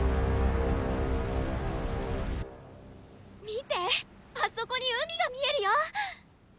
見てあそこに海が見えるよ。